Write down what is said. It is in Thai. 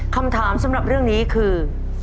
คำถามสำหรับเรื่องนี้คือ